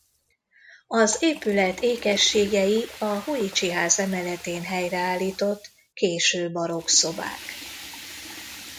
Az épület ékességei a Hoitsy-ház emeletén helyreállított késő barokk szobák.